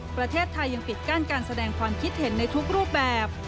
ประเทศไทยยังปิดกั้นการแสดงความคิดเห็นในทุกรูปแบบ